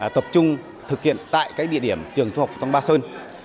tập trung thực hiện tại địa điểm trường thu học phú thông ba sơn